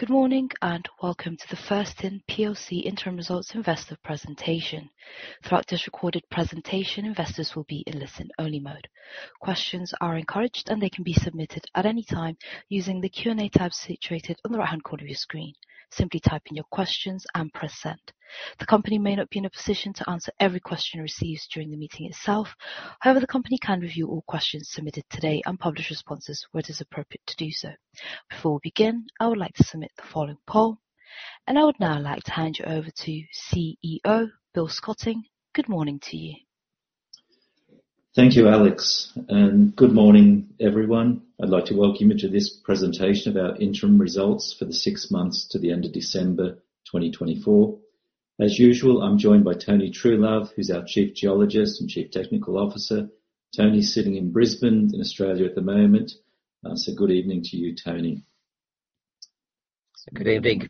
Good morning and welcome to the First Tin PLC Interim Results Investor Presentation. Throughout this recorded presentation, investors will be in listen-only mode. Questions are encouraged and they can be submitted at any time using the Q&A tab situated on the right-hand corner of your screen. Simply type in your questions and press Send. The company may not be in a position to answer every question received during the meeting itself. However, the company can review all questions submitted today and publish responses where it is appropriate to do so. Before we begin, I would like to submit the following poll. I would now like to hand you over to CEO, Bill Scotting. Good morning to you. Thank you, Alex, and good morning, everyone. I'd like to welcome you to this presentation of our interim results for the six months to the end of December 2024. As usual, I'm joined by Antony Truelove, who's our chief geologist and chief technical officer. Tony is sitting in Brisbane in Australia at the moment. So good evening to you, Tony. Good evening.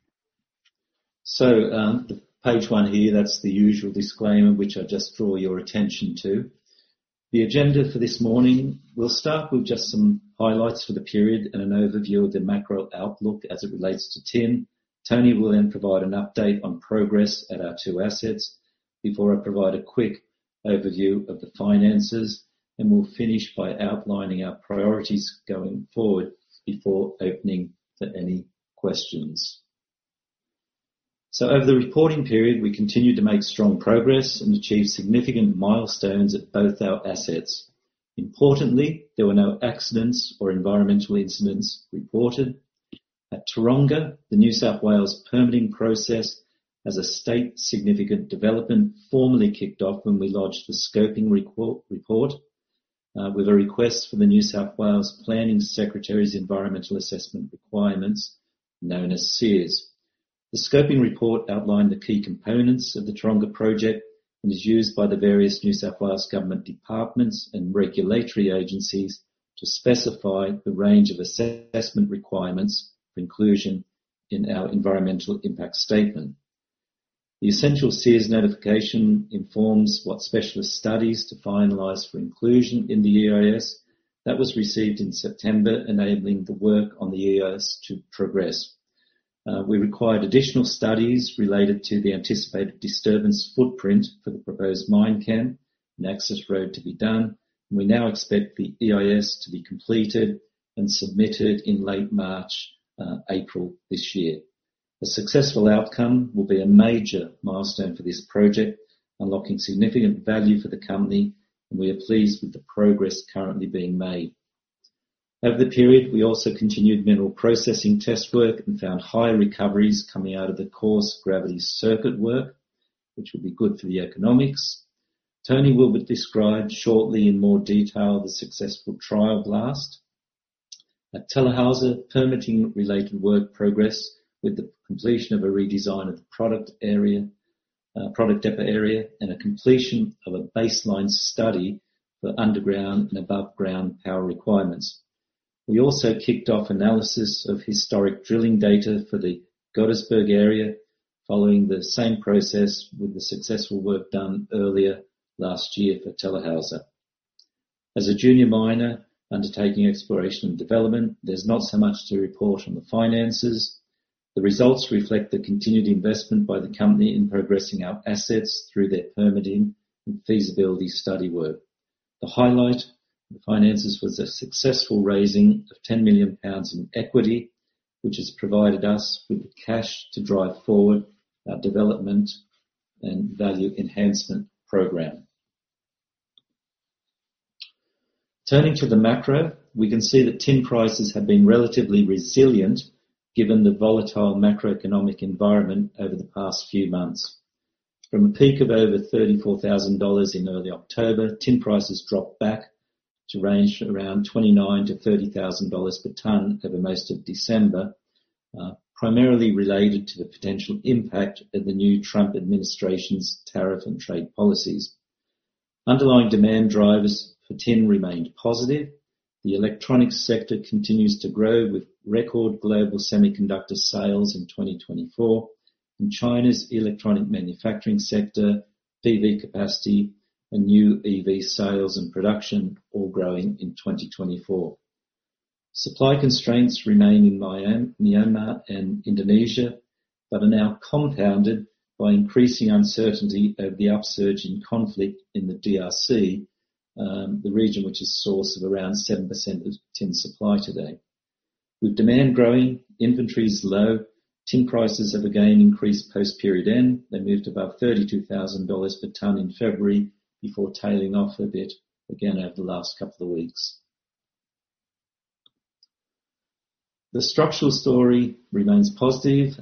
The page one here, that's the usual disclaimer, which I just draw your attention to. The agenda for this morning, we'll start with just some highlights for the period and an overview of the macro outlook as it relates to tin. Tony will then provide an update on progress at our two assets before I provide a quick overview of the finances. We'll finish by outlining our priorities going forward before opening for any questions. Over the reporting period, we continued to make strong progress and achieve significant milestones at both our assets. Importantly, there were no accidents or environmental incidents reported. At Taronga, the New South Wales permitting process as a State Significant Development formally kicked off when we lodged the scoping report with a request for the New South Wales Planning Secretary's environmental assessment requirements, known as SEARs. The scoping report outlined the key components of the Taronga project and is used by the various New South Wales government departments and regulatory agencies to specify the range of assessment requirements for inclusion in our environmental impact statement. The essential SEARs notification informs what specialist studies to finalize for inclusion in the EIS. That was received in September, enabling the work on the EIS to progress. We required additional studies related to the anticipated disturbance footprint for the proposed mine camp and access road to be done. We now expect the EIS to be completed and submitted in late March, April this year. A successful outcome will be a major milestone for this project, unlocking significant value for the company, and we are pleased with the progress currently being made. Over the period, we also continued mineral processing test work and found high recoveries coming out of the coarse gravity circuit work, which will be good for the economics. Tony will describe shortly in more detail the successful trial blast. At Tellerhäuser, permitting-related work progressed with the completion of a redesign of the product area, product depot area, and a completion of a baseline study for underground and above ground power requirements. We also kicked off analysis of historic drilling data for the Gottesberg area, following the same process with the successful work done earlier last year for Tellerhäuser. As a junior miner undertaking exploration and development, there's not so much to report on the finances. The results reflect the continued investment by the company in progressing our assets through their permitting and feasibility study work. The highlight of the finances was a successful raising of 10 million pounds in equity, which has provided us with the cash to drive forward our development and value enhancement program. Turning to the macro, we can see that tin prices have been relatively resilient given the volatile macroeconomic environment over the past few months. From a peak of over $34,000 in early October, tin prices dropped back to range around $29,000-$30,000 per ton over most of December, primarily related to the potential impact of the new Trump administration's tariff and trade policies. Underlying demand drivers for tin remained positive. The electronic sector continues to grow with record global semiconductor sales in 2024 and China's electronic manufacturing sector, PV capacity and new EV sales and production all growing in 2024. Supply constraints remain in Myanmar and Indonesia, but are now compounded by increasing uncertainty over the upsurge in conflict in the DRC, the region which is source of around 7% of tin supply today. With demand growing, inventories low, tin prices have again increased post period end. They moved above $32,000 per ton in February before tailing off a bit again over the last couple of weeks. The structural story remains positive.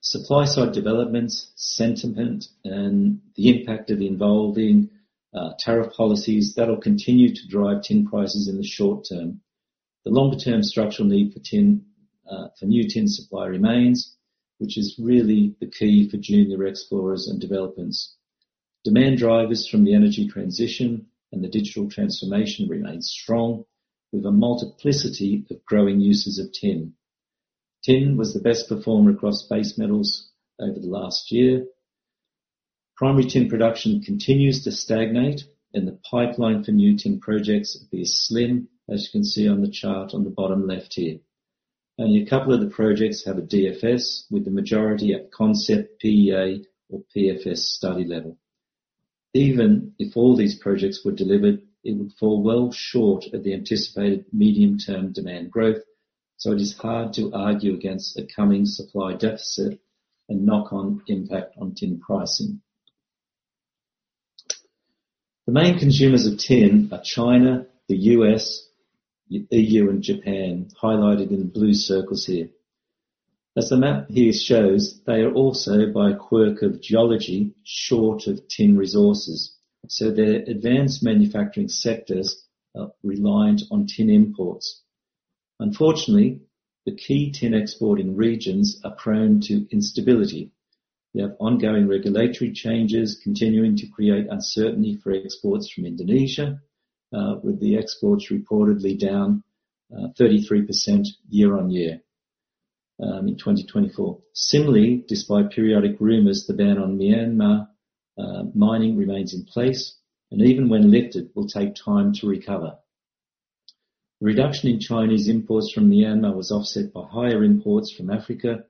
Supply side developments, sentiment, and the impact of evolving tariff policies that'll continue to drive tin prices in the short term. The longer term structural need for tin for new tin supply remains, which is really the key for junior explorers and developers. Demand drivers from the energy transition and the digital transformation remains strong with a multiplicity of growing uses of tin. Tin was the best performer across base metals over the last year. Primary tin production continues to stagnate and the pipeline for new tin projects is slim, as you can see on the chart on the bottom left here. Only a couple of the projects have a DFS with the majority at concept PEA or PFS study level. Even if all these projects were delivered, it would fall well short of the anticipated medium-term demand growth. It is hard to argue against a coming supply deficit and knock-on impact on tin pricing. The main consumers of tin are China, the U.S., EU, and Japan, highlighted in blue circles here. As the map here shows, they are also by quirk of geology, short of tin resources. Their advanced manufacturing sectors are reliant on tin imports. Unfortunately, the key tin exporting regions are prone to instability. We have ongoing regulatory changes continuing to create uncertainty for exports from Indonesia, with the exports reportedly down 33% year-on-year in 2024. Similarly, despite periodic rumors, the ban on Myanmar mining remains in place and even when lifted will take time to recover. Reduction in Chinese imports from Myanmar was offset by higher imports from Africa.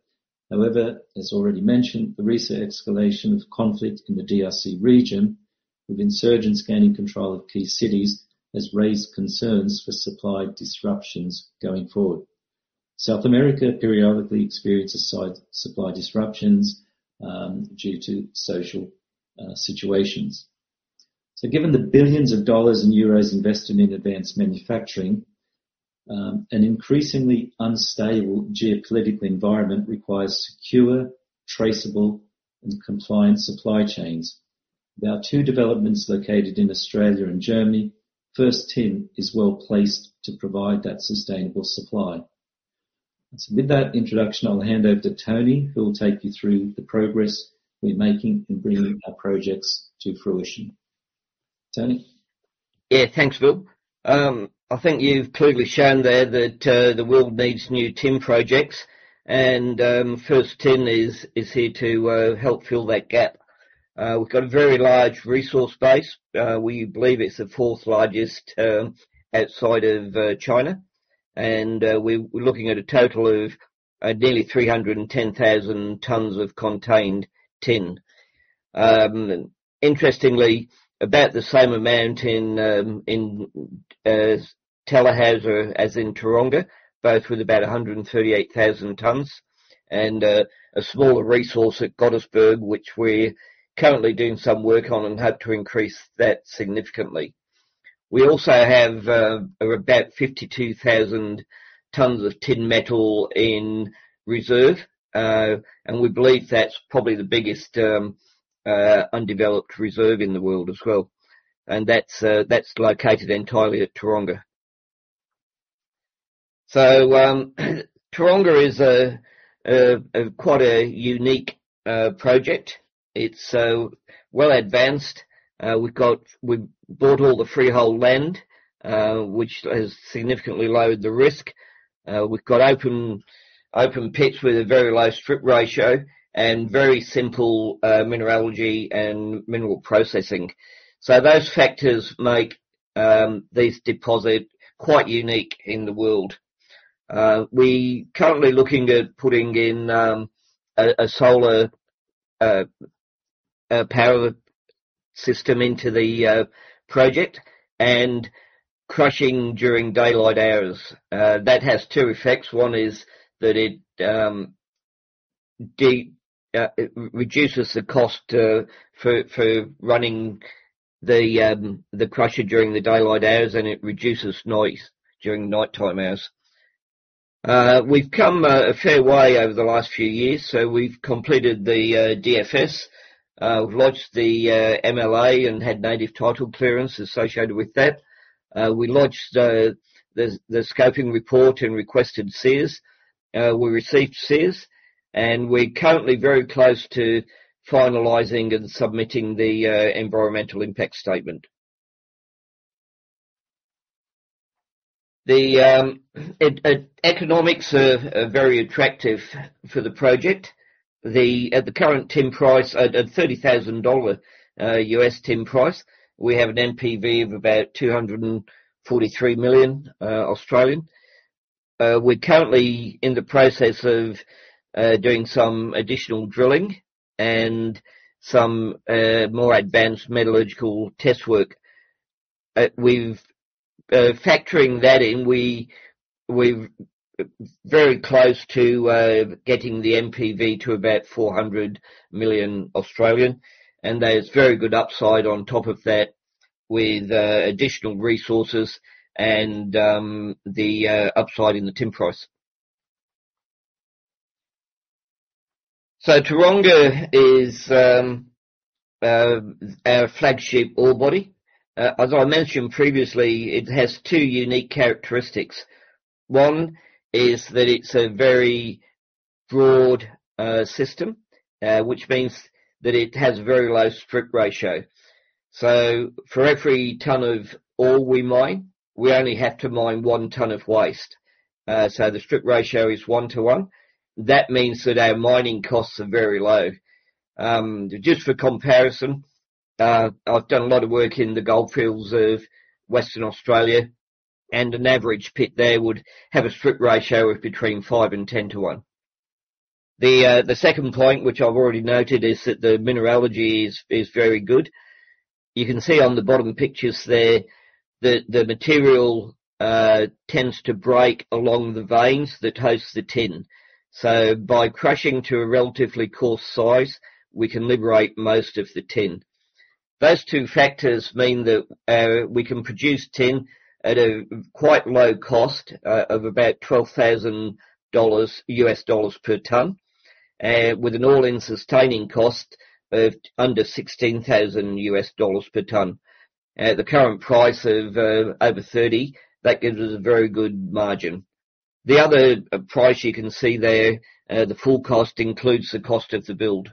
However, as already mentioned, the recent escalation of conflict in the DRC region with insurgents gaining control of key cities has raised concerns for supply disruptions going forward. South America periodically experiences supply disruptions due to social situations. Given the billions of dollars and euros invested in advanced manufacturing, an increasingly unstable geopolitical environment requires secure, traceable and compliant supply chains. There are two developments located in Australia and Germany. First Tin is well-placed to provide that sustainable supply. With that introduction, I'll hand over to Tony, who will take you through the progress we're making in bringing our projects to fruition. Tony. Yeah. Thanks, Phil. I think you've clearly shown there that the world needs new tin projects and First Tin is here to help fill that gap. We've got a very large resource base. We believe it's the fourth largest outside of China. We're looking at a total of nearly 310,000 tons of contained tin. Interestingly, about the same amount in Tellerhäuser as in Taronga, both with about 138,000 tons and a smaller resource at Gottesberg, which we're currently doing some work on and hope to increase that significantly. We also have about 52,000 tons of tin metal in reserve and we believe that's probably the biggest undeveloped reserve in the world as well. That's located entirely at Taronga. Taronga is a quite unique project. It's well advanced. We've bought all the freehold land, which has significantly lowered the risk. We've got open pits with a very low strip ratio and very simple mineralogy and mineral processing. Those factors make this deposit quite unique in the world. We currently looking at putting in a solar power system into the project and crushing during daylight hours. That has two effects. One is that it reduces the cost for running the crusher during the daylight hours, and it reduces noise during nighttime hours. We've come a fair way over the last few years. We've completed the DFS. We've lodged the MLA and had native title clearance associated with that. We lodged the scoping report and requested SEARs. We received SEARs, and we're currently very close to finalizing and submitting the environmental impact statement. The economics are very attractive for the project. At the current tin price, at a $30,000 USD tin price, we have an NPV of about 243 million. We're currently in the process of doing some additional drilling and some more advanced metallurgical test work. Factoring that in we've very close to getting the NPV to about 400 million, and there's very good upside on top of that with additional resources and the upside in the tin price. Taronga is our flagship ore body. As I mentioned previously, it has two unique characteristics. One is that it's a very broad system, which means that it has very low strip ratio. For every tonne of ore we mine, we only have to mine one tonne of waste. The strip ratio is 1 to 1. That means that our mining costs are very low. Just for comparison, I've done a lot of work in the goldfields of Western Australia, and an average pit there would have a strip ratio of between 5 and 10 to 1. The second point, which I've already noted, is that the mineralogy is very good. You can see on the bottom pictures there that the material tends to break along the veins that host the tin. By crushing to a relatively coarse size, we can liberate most of the tin. Those two factors mean that we can produce tin at a quite low cost of about $12,000 per tonne, with an all-in sustaining cost of under $16,000 per tonne. At the current price of over $30,000, that gives us a very good margin. The other price you can see there, the full cost includes the cost of the build.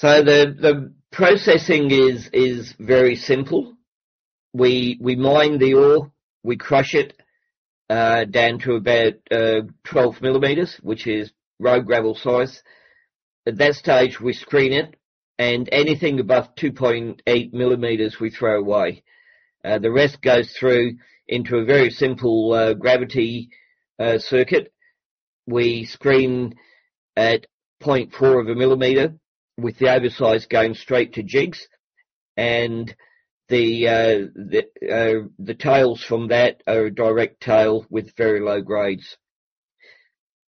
The processing is very simple. We mine the ore, we crush it down to about 12 millimeters, which is road gravel size. At that stage, we screen it, and anything above 2.8 millimeters we throw away. The rest goes through into a very simple gravity circuit. We screen at 0.4 of a millimeter, with the oversize going straight to jigs. The tails from that are a direct tail with very low grades.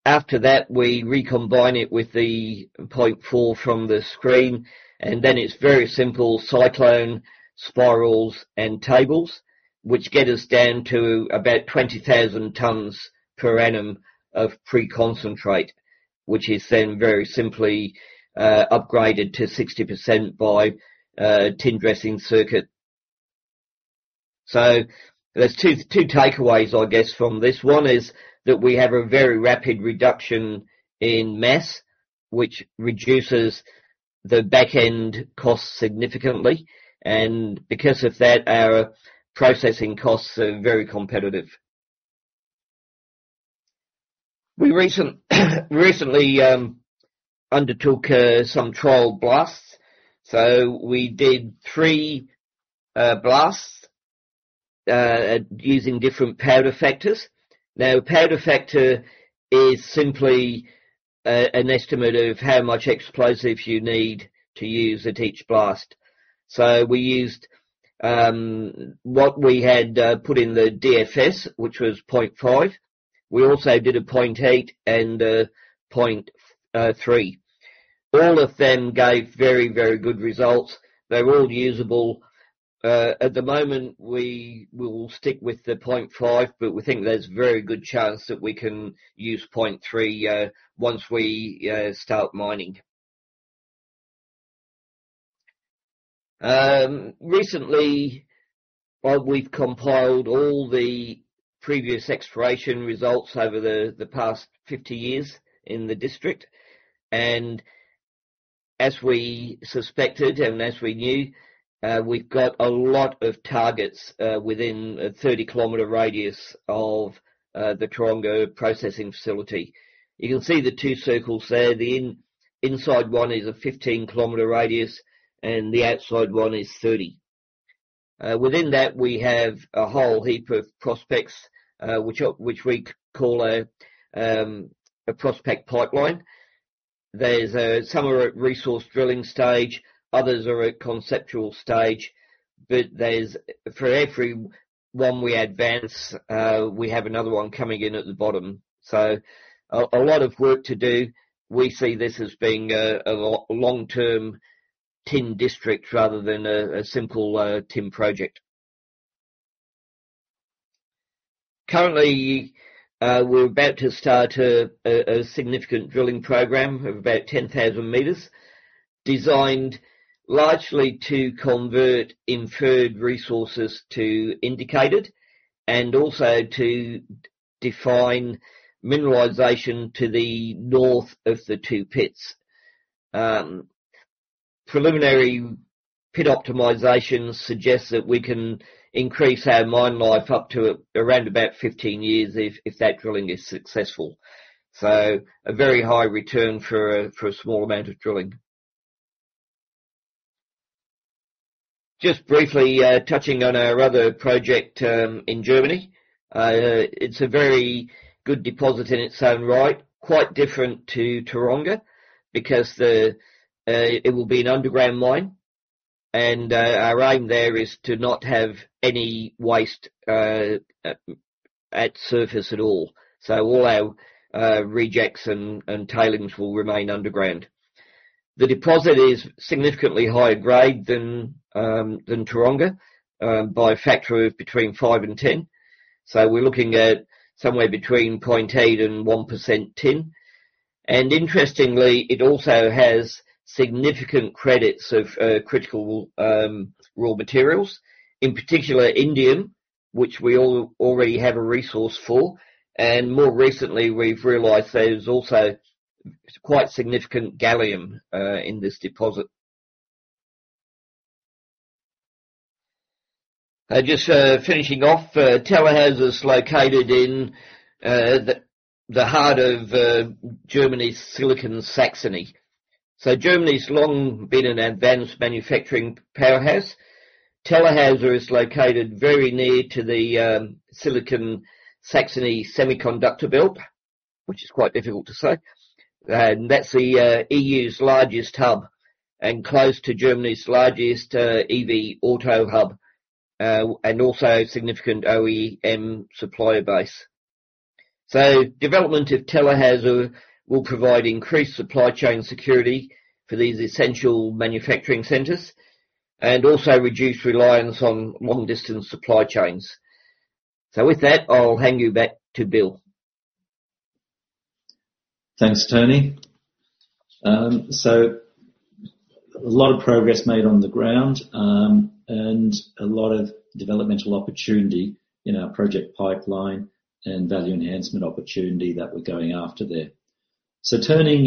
After that, we recombine it with the 0.4 from the screen, and then it's very simple cyclone spirals and tables, which get us down to about 20,000 tonnes per annum of pre-concentrate, which is then very simply upgraded to 60% by a tin dressing circuit. There's two takeaways, I guess, from this. One is that we have a very rapid reduction in mass, which reduces the back-end cost significantly. Because of that, our processing costs are very competitive. We recently undertook some trial blasts. We did three blasts using different powder factors. Now, a powder factor is simply an estimate of how much explosives you need to use at each blast. We used what we had put in the DFS, which was 0.5. We also did a 0.8 and a 0.3. All of them gave very, very good results. They're all usable. At the moment, we will stick with the 0.5, but we think there's a very good chance that we can use 0.3 once we start mining. Recently, we've compiled all the previous exploration results over the past 50 years in the district. As we suspected and as we knew, we've got a lot of targets within a 30-kilometer radius of the Taronga processing facility. You can see the two circles there. The inside one is a 15-km radius, and the outside one is 30. Within that, we have a whole heap of prospects, which we call a prospect pipeline. There are some at resource drilling stage, others at conceptual stage. For every one we advance, we have another one coming in at the bottom. A lot of work to do. We see this as being a long-term tin district rather than a simple tin project. Currently, we're about to start a significant drilling program of about 10,000 m, designed largely to convert inferred resources to indicated and also to define mineralization to the north of the two pits. Preliminary pit optimization suggests that we can increase our mine life up to around about 15 years if that drilling is successful. A very high return for a small amount of drilling. Just briefly touching on our other project in Germany. It's a very good deposit in its own right. Quite different to Taronga because it will be an underground mine. Our aim there is to not have any waste at surface at all. All our rejects and tailings will remain underground. The deposit is significantly higher grade than Taronga by a factor of between 5 and 10. We're looking at somewhere between 0.8% and 1% tin. Interestingly, it also has significant credits of critical raw materials, in particular indium, which we already have a resource for. More recently, we've realized there's also quite significant gallium in this deposit. Just finishing off, Tellerhäuser is located in the heart of Germany's Silicon Saxony. Germany's long been an advanced manufacturing powerhouse. Tellerhäuser is located very near to the Silicon Saxony Semiconductor Belt, which is quite difficult to say. That's the EU's largest hub and close to Germany's largest EV auto hub and also a significant OEM supplier base. Development of Tellerhäuser will provide increased supply chain security for these essential manufacturing centers and also reduce reliance on long-distance supply chains. With that, I'll hand you back to Bill. Thanks, Tony. A lot of progress made on the ground, and a lot of developmental opportunity in our project pipeline and value enhancement opportunity that we're going after there. Turning,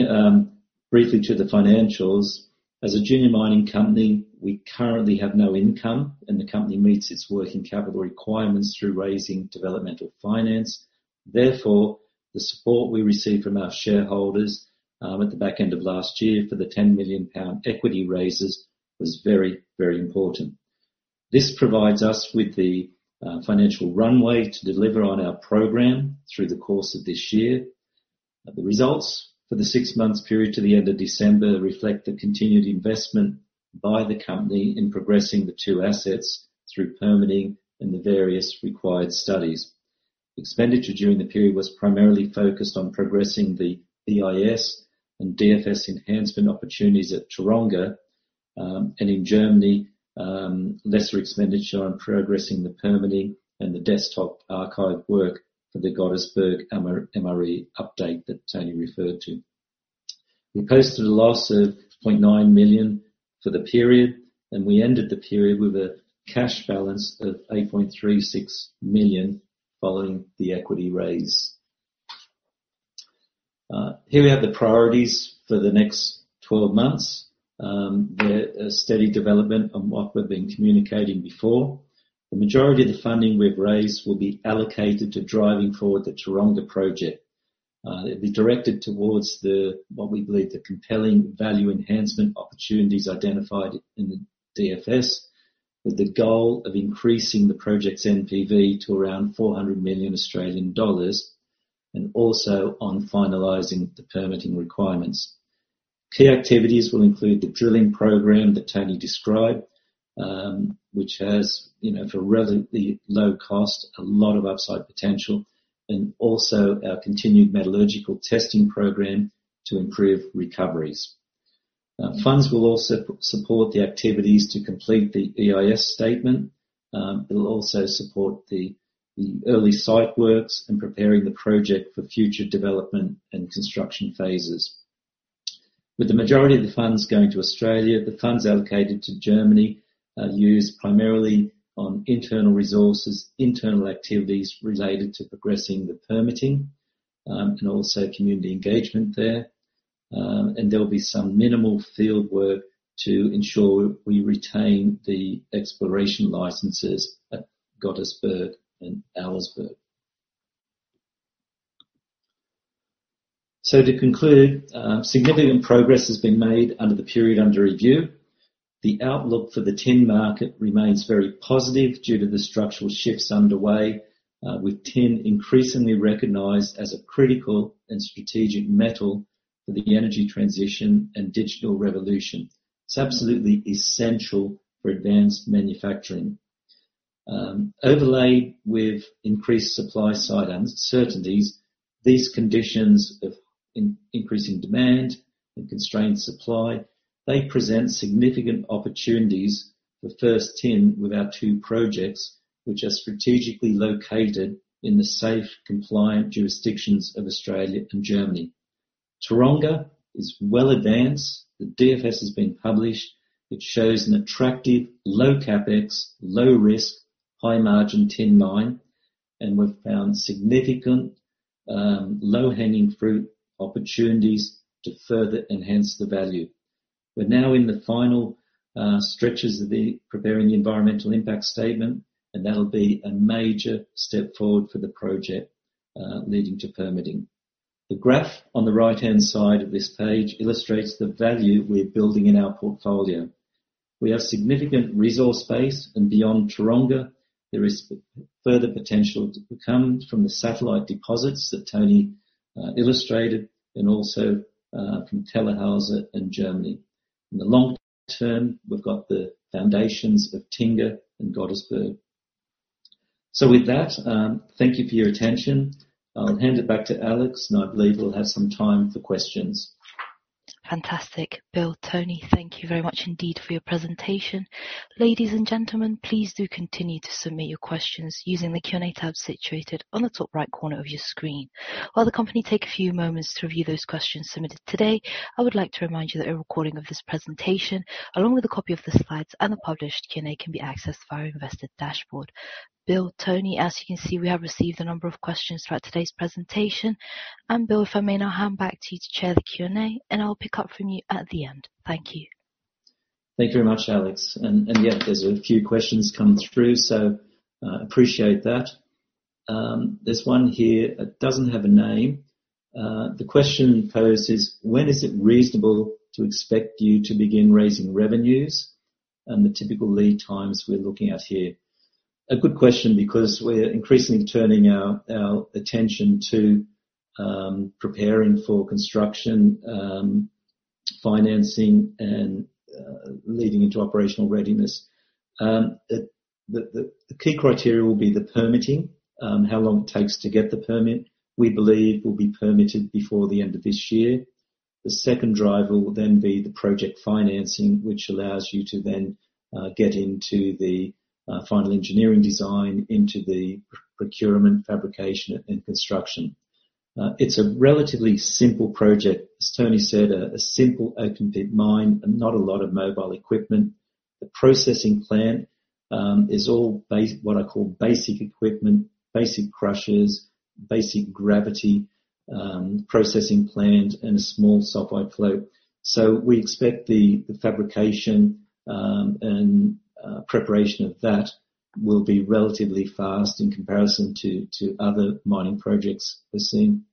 briefly to the financials. As a junior mining company, we currently have no income, and the company meets its working capital requirements through raising developmental finance. Therefore, the support we received from our shareholders, at the back end of last year for the 10 million pound equity raises was very, very important. This provides us with the, financial runway to deliver on our program through the course of this year. The results for the six months period to the end of December reflect the continued investment by the company in progressing the two assets through permitting and the various required studies. Expenditure during the period was primarily focused on progressing the EIS and DFS enhancement opportunities at Taronga. In Germany, lesser expenditure on progressing the permitting and the desktop archive work for the Gottesberg MRE update that Tony referred to. We posted a loss of $0.9 million for the period, and we ended the period with a cash balance of $8.36 million following the equity raise. Here we have the priorities for the next 12 months. They're a steady development on what we've been communicating before. The majority of the funding we've raised will be allocated to driving forward the Taronga project. It'll be directed towards the, what we believe the compelling value enhancement opportunities identified in the DFS, with the goal of increasing the project's NPV to around 400 million Australian dollars, and also on finalizing the permitting requirements. Key activities will include the drilling program that Tony described, which has, you know, for relatively low cost, a lot of upside potential, and also our continued metallurgical testing program to improve recoveries. Funds will also support the activities to complete the EIS statement. It'll also support the early site works and preparing the project for future development and construction phases. With the majority of the funds going to Australia, the funds allocated to Germany are used primarily on internal resources, internal activities related to progressing the permitting, and also community engagement there. There will be some minimal field work to ensure we retain the exploration licenses at Gottesberg and Auersberg. To conclude, significant progress has been made under the period under review. The outlook for the tin market remains very positive due to the structural shifts underway, with tin increasingly recognized as a critical and strategic metal for the energy transition and digital revolution. It's absolutely essential for advanced manufacturing. Overlaid with increased supply-side uncertainties, these conditions of increasing demand and constrained supply, they present significant opportunities for First Tin with our two projects, which are strategically located in the safe, compliant jurisdictions of Australia and Germany. Taronga is well advanced. The DFS has been published, which shows an attractive low CapEx, low risk, high-margin tin mine, and we've found significant low-hanging fruit opportunities to further enhance the value. We're now in the final stretches of preparing the environmental impact statement, and that'll be a major step forward for the project, leading to permitting. The graph on the right-hand side of this page illustrates the value we're building in our portfolio. We have significant resource base, and beyond Taronga, there is further potential to come from the satellite deposits that Tony illustrated and also from Tellerhäuser in Germany. In the long term, we've got the foundations of Taronga and Gottesberg. With that, thank you for your attention. I'll hand it back to Alex, and I believe we'll have some time for questions. Fantastic. Bill, Tony, thank you very much indeed for your presentation. Ladies and gentlemen, please do continue to submit your questions using the Q&A tab situated on the top right corner of your screen. While the company take a few moments to review those questions submitted today, I would like to remind you that a recording of this presentation, along with a copy of the slides and the published Q&A, can be accessed via Investor Dashboard. Bill, Tony, as you can see, we have received a number of questions throughout today's presentation. Bill, if I may now hand back to you to chair the Q&A, and I'll pick up from you at the end. Thank you. Thank you very much, Alex. Yeah, there's a few questions coming through, so appreciate that. There's one here. It doesn't have a name. The question posed is: When is it reasonable to expect you to begin raising revenues and the typical lead times we're looking at here? A good question, because we're increasingly turning our attention to preparing for construction, financing and leading into operational readiness. The key criteria will be the permitting, how long it takes to get the permit. We believe we'll be permitted before the end of this year. The second driver will then be the project financing, which allows you to then get into the final engineering design into the procurement, fabrication, and construction. It's a relatively simple project. As Antony said, a simple open pit mine and not a lot of mobile equipment. The processing plant is all what I call basic equipment, basic crushers, basic gravity processing plant, and a small sulfide flotation. We expect the fabrication and preparation of that will be relatively fast in comparison to other mining projects we're seeing.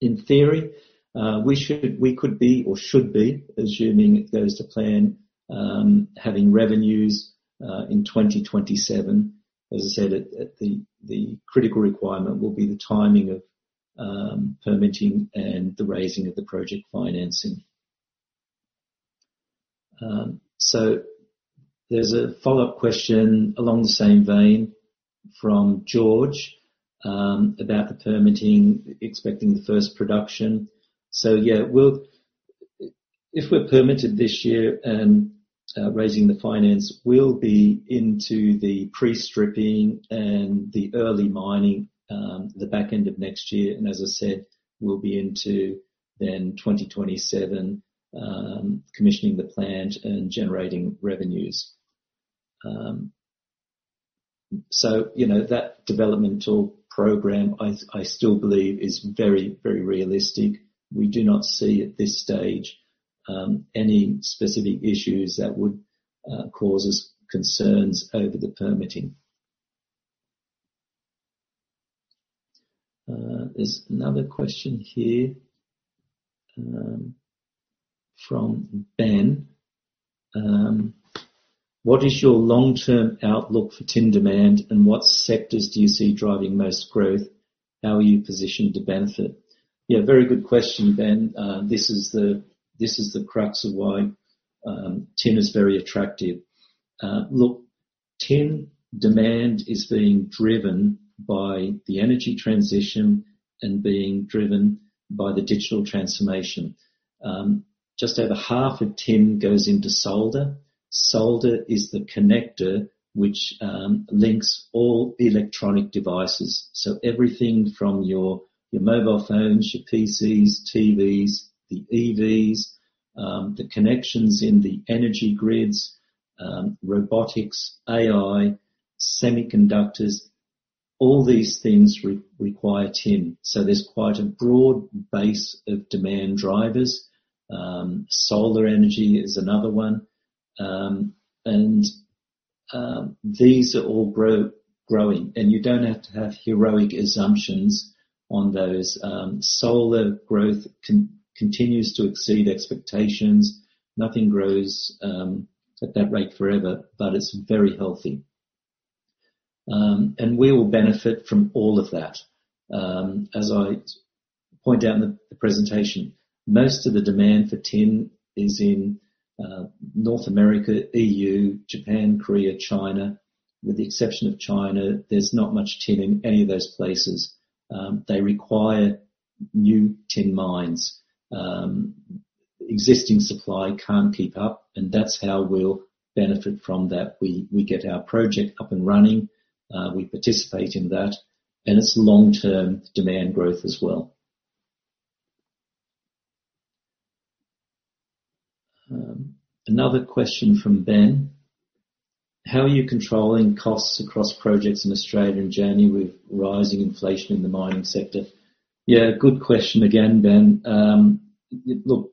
In theory, we could be or should be, assuming it goes to plan, having revenues in 2027. As I said, the critical requirement will be the timing of permitting and the raising of the project financing. There's a follow-up question along the same vein from George about the permitting, expecting the first production. If we're permitted this year and raising the finance, we'll be into the pre-stripping and the early mining, the back end of next year. As I said, we'll be into 2027, commissioning the plant and generating revenues. You know, that developmental program I still believe is very, very realistic. We do not see at this stage any specific issues that would cause us concerns over the permitting. There's another question here from Ben. What is your long-term outlook for tin demand, and what sectors do you see driving most growth? How are you positioned to benefit? Yeah, very good question, Ben. This is the crux of why tin is very attractive. Look, tin demand is being driven by the energy transition and being driven by the digital transformation. Just over half of tin goes into solder. Solder is the connector which links all electronic devices. Everything from your mobile phones, your PCs, TVs, the EVs, the connections in the energy grids, robotics, AI, semiconductors, all these things require tin. There's quite a broad base of demand drivers. Solar energy is another one. These are all growing, and you don't have to have heroic assumptions on those. Solar growth continues to exceed expectations. Nothing grows at that rate forever, but it's very healthy. We will benefit from all of that. As I point out in the presentation, most of the demand for tin is in North America, EU, Japan, Korea, China. With the exception of China, there's not much tin in any of those places. They require new tin mines. Existing supply can't keep up, and that's how we'll benefit from that. We get our project up and running. We participate in that, and it's long-term demand growth as well. Another question from Ben: How are you controlling costs across projects in Australia and Germany with rising inflation in the mining sector? Yeah, good question again, Ben. Look,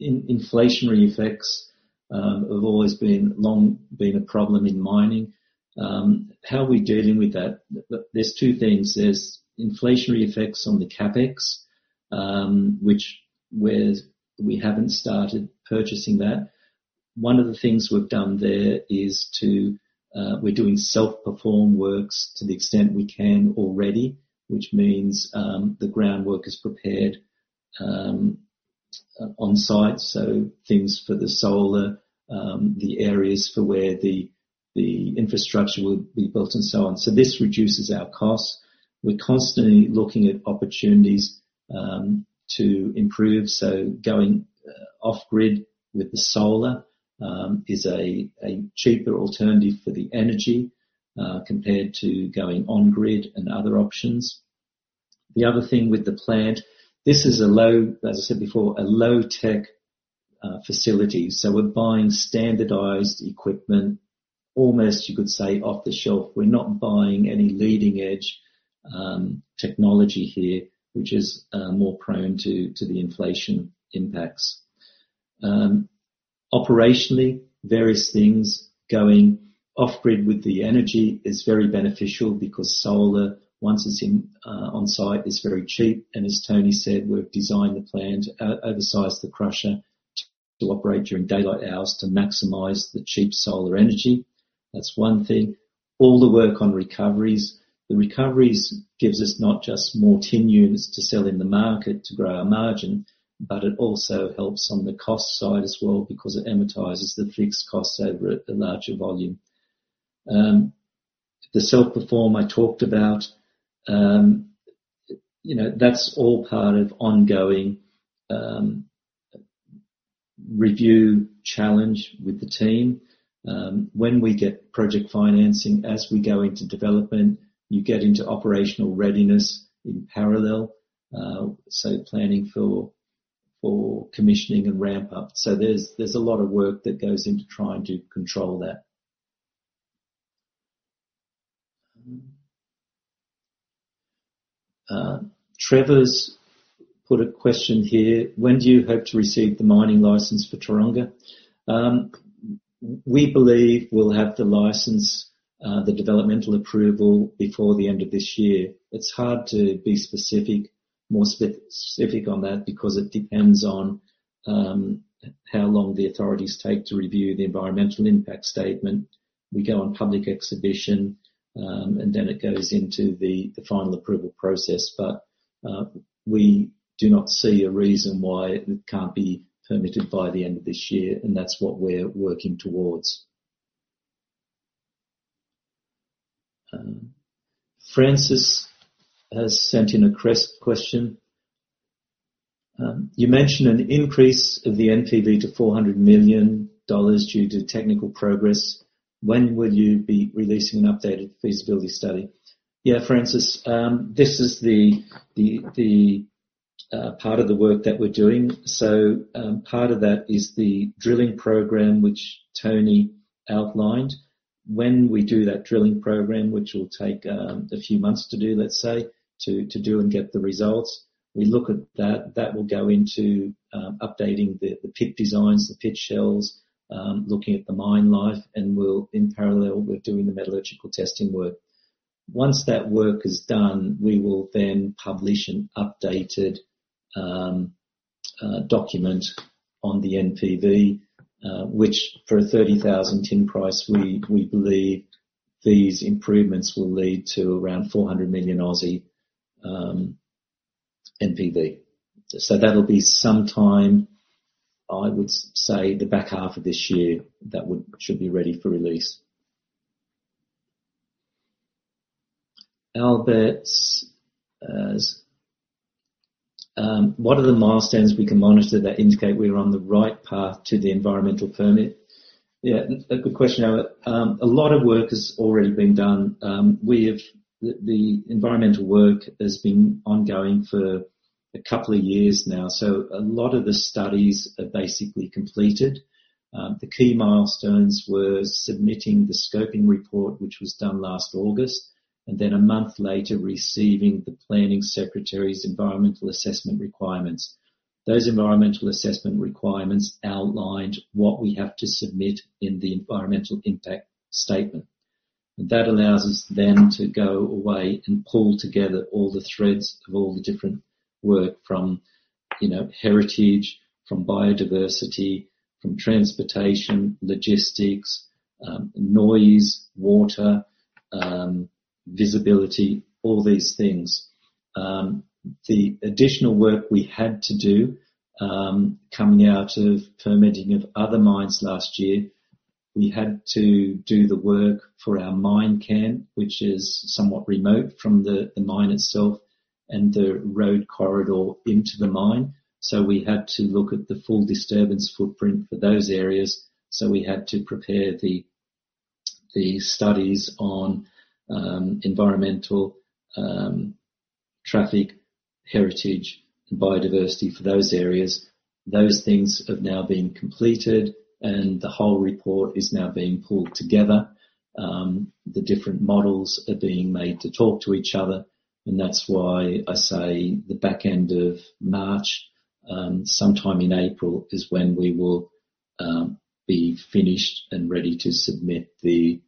inflationary effects have always been a problem in mining. How are we dealing with that? There's two things. There's inflationary effects on the CapEx, which whereas we haven't started purchasing that. One of the things we've done there is we're doing self-perform works to the extent we can already, which means the groundwork is prepared on site. Things for the solar, the areas for where the infrastructure will be built and so on. This reduces our costs. We're constantly looking at opportunities to improve. Going off-grid with the solar is a cheaper alternative for the energy compared to going on grid and other options. The other thing with the plant, this is a low, as I said before, a low tech facility. We're buying standardized equipment, almost you could say off the shelf. We're not buying any leading-edge technology here, which is more prone to the inflation impacts. Operationally, various things going off-grid with the energy is very beneficial because solar, once it's in on-site, is very cheap. As Tony said, we've designed the plant, oversize the crusher to operate during daylight hours to maximize the cheap solar energy. That's one thing. All the work on recoveries. The recoveries gives us not just more tin units to sell in the market to grow our margin, but it also helps on the cost side as well because it amortizes the fixed costs over a larger volume. The self-perform I talked about, you know, that's all part of ongoing review challenge with the team. When we get project financing, as we go into development, you get into operational readiness in parallel. Planning for commissioning and ramp up. There's a lot of work that goes into trying to control that. Trevor's put a question here: When do you hope to receive the mining license for Taronga? We believe we'll have the license, the developmental approval before the end of this year. It's hard to be specific on that because it depends on how long the authorities take to review the environmental impact statement. We go on public exhibition, and then it goes into the final approval process. We do not see a reason why it can't be permitted by the end of this year, and that's what we're working towards. Francis has sent in a cracking question. You mentioned an increase of the NPV to $400 million due to technical progress. When will you be releasing an updated feasibility study? Yeah, Francis, this is the part of the work that we're doing. Part of that is the drilling program which Tony outlined. When we do that drilling program, which will take a few months to do, let's say, and get the results, we look at that. That will go into updating the pit designs, the pit shells, looking at the mine life. We'll, in parallel with doing the metallurgical testing work. Once that work is done, we will then publish an updated document on the NPV, which for a $30,000 tin price, we believe these improvements will lead to around 400 million NPV. That'll be some time, I would say, the back half of this year that should be ready for release. Albert's asked: What are the milestones we can monitor that indicate we're on the right path to the environmental permit? Yeah, a good question. A lot of work has already been done. The environmental work has been ongoing for a couple of years now. A lot of the studies are basically completed. The key milestones were submitting the scoping report, which was done last August, and then a month later, receiving the Planning Secretary's Environmental Assessment Requirements. Those Environmental Assessment Requirements outlined what we have to submit in the environmental impact statement. That allows us then to go away and pull together all the threads of all the different work from, you know, heritage, from biodiversity, from transportation, logistics, noise, water, visibility, all these things. The additional work we had to do, coming out of permitting of other mines last year, we had to do the work for our mine camp, which is somewhat remote from the mine itself and the road corridor into the mine. We had to look at the full disturbance footprint for those areas. We had to prepare the studies on environmental, traffic, heritage, and biodiversity for those areas. Those things have now been completed, and the whole report is now being pulled together. The different models are being made to talk to each other, and that's why I say the back end of March, sometime in April is when we will be finished and ready to submit the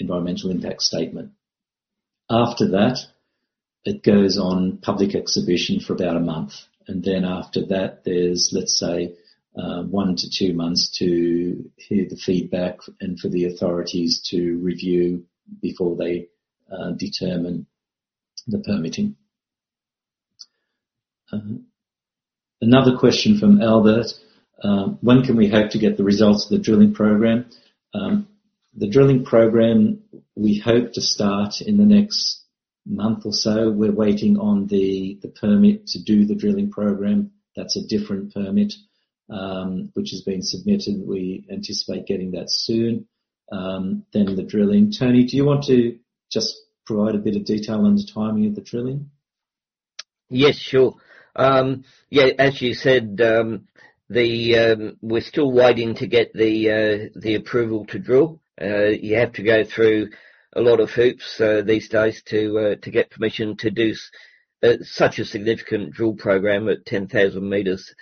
environmental impact statement. After that, it goes on public exhibition for about a month. After that there's, let's say, 1-2 months to hear the feedback and for the authorities to review before they determine the permitting. Another question from Albert. When can we hope to get the results of the drilling program? The drilling program, we hope to start in the next month or so. We're waiting on the permit to do the drilling program. That's a different permit, which has been submitted. We anticipate getting that soon. The drilling. Antony, do you want to just provide a bit of detail on the timing of the drilling? Yes, sure. Yeah, as you said, we're still waiting to get the approval to drill. You have to go through a lot of hoops these days to get permission to do such a significant drill program at 10,000 meters.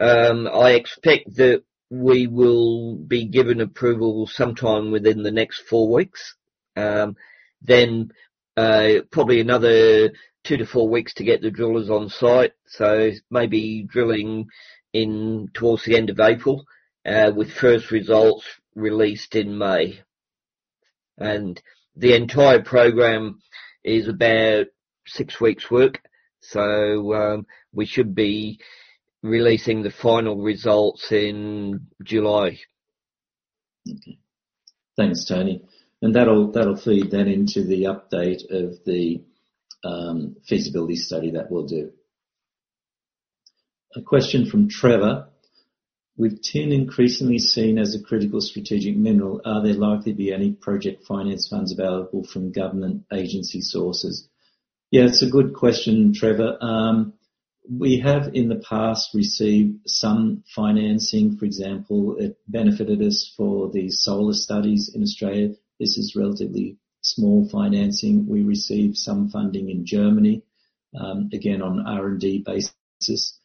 I expect that we will be given approval sometime within the next 4 weeks. Then, probably another 2-4 weeks to get the drillers on site. Maybe drilling in towards the end of April, with first results released in May. The entire program is about 6 weeks work. We should be releasing the final results in July. Okay. Thanks, Tony. That'll feed then into the update of the feasibility study that we'll do. A question from Trevor. With tin increasingly seen as a critical strategic mineral, are there likely to be any project finance funds available from government agency sources? Yeah, it's a good question, Trevor. We have in the past received some financing. For example, it benefited us for the solar studies in Australia. This is relatively small financing. We received some funding in Germany, again, on R&D basis.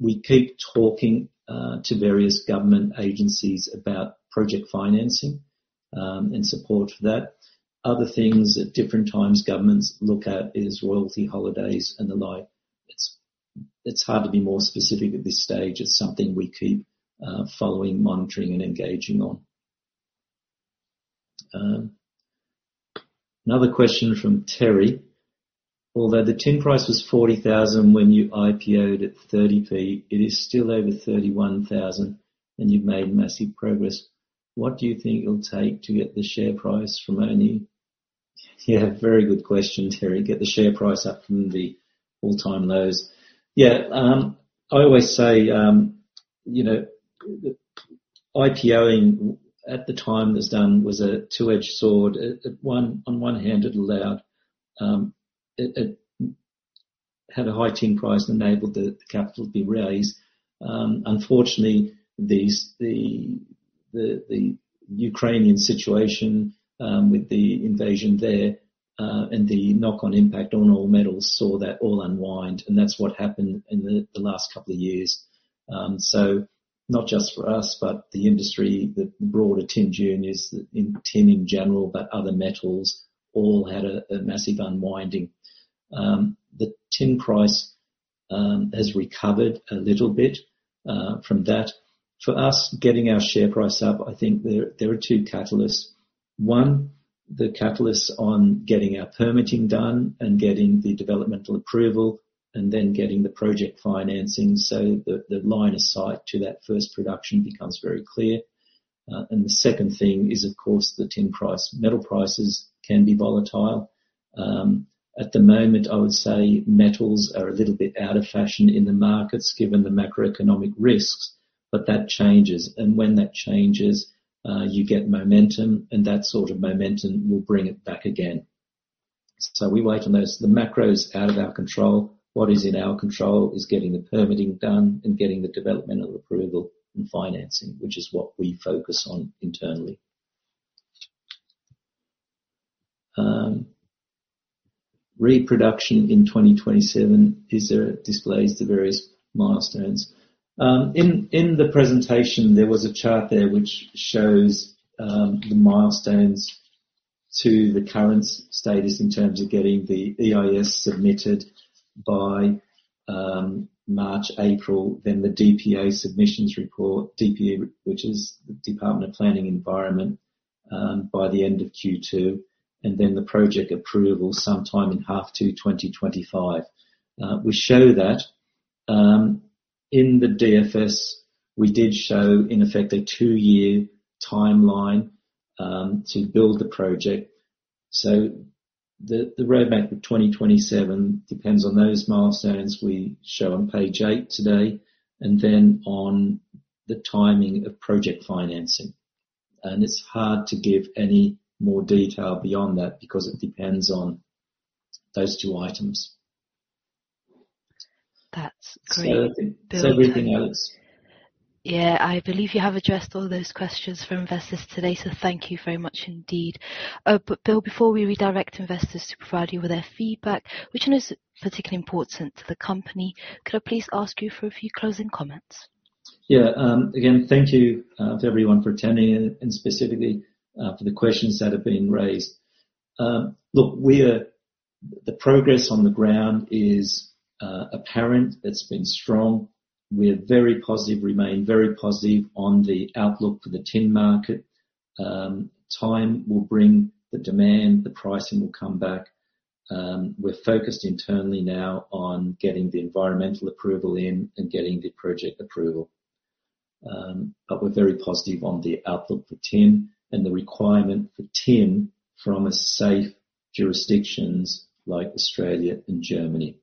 We keep talking to various government agencies about project financing, and support for that. Other things at different times governments look at is royalty holidays and the like. It's hard to be more specific at this stage. It's something we keep following, monitoring and engaging on. Another question from Terry. Although the tin price was $40,000 when you IPO'd at 30p, it is still over $31,000 and you've made massive progress. What do you think it'll take to get the share price from 0.1p? Yeah, very good question, Terry. Get the share price up from the all-time lows. Yeah. I always say, you know, IPO'ing at the time was a two-edged sword. On one hand, it had a high tin price and enabled the capital to be raised. Unfortunately, the Ukrainian situation with the invasion there and the knock on impact on all metals saw that all unwind, and that's what happened in the last couple of years. Not just for us, but the industry, the broader tin juniors in tin in general, but other metals all had a massive unwinding. The tin price has recovered a little bit from that. For us, getting our share price up, I think there are two catalysts. One, the catalysts on getting our permitting done and getting the developmental approval and then getting the project financing so that the line of sight to that first production becomes very clear. The second thing is, of course, the tin price. Metal prices can be volatile. At the moment, I would say metals are a little bit out of fashion in the markets given the macroeconomic risks, but that changes. When that changes, you get momentum, and that sort of momentum will bring it back again. We wait on those. The macro's out of our control. What is in our control is getting the permitting done and getting the developmental approval and financing, which is what we focus on internally. Production in 2027 displays the various milestones. In the presentation, there was a chart there which shows the milestones to the current status in terms of getting the EIS submitted by March, April. Then the DPE submissions report. DPE, which is the Department of Planning and Environment, by the end of Q2, and then the project approval sometime in H2 2025. We show that in the DFS. We did show, in effect, a 2-year timeline to build the project. The roadmap of 2027 depends on those milestones we show on page 8 today. Then on the timing of project financing. It's hard to give any more detail beyond that because it depends on those two items. That's great. That's everything else. Yeah. I believe you have addressed all those questions from investors today, so thank you very much indeed. Bill, before we redirect investors to provide you with their feedback, which one is particularly important to the company? Could I please ask you for a few closing comments? Yeah. Again, thank you to everyone for attending and specifically for the questions that have been raised. Look, the progress on the ground is apparent. It's been strong. We're very positive, remain very positive on the outlook for the tin market. Time will bring the demand, the pricing will come back. We're focused internally now on getting the environmental approval in and getting the project approval. We're very positive on the outlook for tin and the requirement for tin from a safe jurisdictions like Australia and Germany.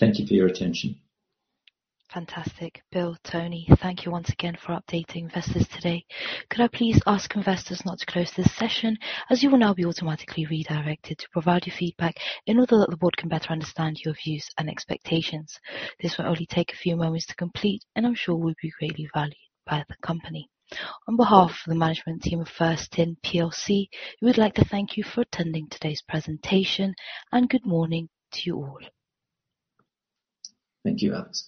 Thank you for your attention. Fantastic. Bill, Tony, thank you once again for updating investors today. Could I please ask investors not to close this session, as you will now be automatically redirected to provide your feedback in order that the board can better understand your views and expectations. This will only take a few moments to complete, and I'm sure will be greatly valued by the company. On behalf of the management team of First Tin PLC, we would like to thank you for attending today's presentation, and good morning to you all. Thank you, Alex.